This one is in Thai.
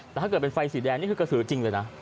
แต่ถ้าเกิดเป็นไฟสีแดงนี่คือกระสือจริงเลยนะ